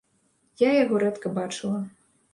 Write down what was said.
Я яго рэдка бачыла.